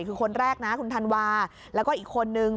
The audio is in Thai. คือคนแรกนะคุณธันวาแล้วก็อีกคนนึง